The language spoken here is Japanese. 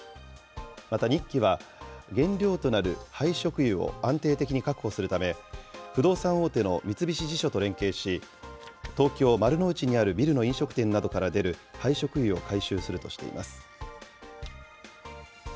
また日揮は、原料となる廃食油を安定的に確保するため、不動産大手の三菱地所と連携し、東京・丸の内にあるビルの飲食店などから出る廃食油を回収するとしています。